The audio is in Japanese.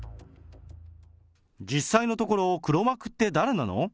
実際のところ、黒幕って誰なの？